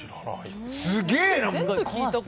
すげえな！